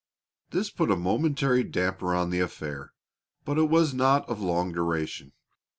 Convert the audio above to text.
This put a momentary damper on the affair, but it was not of long duration.